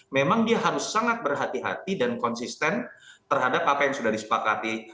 memang dia harus sangat berhati hati dan konsisten terhadap apa yang sudah disepakati